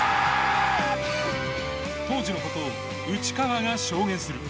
当時の事を内川が証言する。